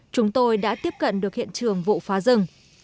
chúng tôi đã tiếp cận được hiện trường vụ phá rừng